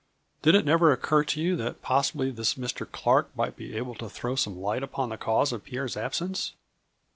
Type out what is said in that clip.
" Did it never occur to you that possibly this Mr. Clark might be able to throw some light upon the cause of Pierre's absence